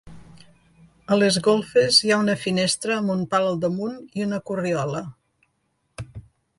A les golfes hi ha una finestra amb un pal al damunt i una corriola.